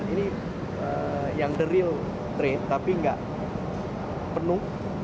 ini yang the real trade tapi nggak penuh